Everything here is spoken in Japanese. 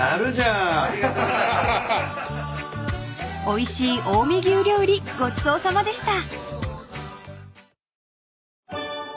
［おいしい近江牛料理ごちそうさまでした］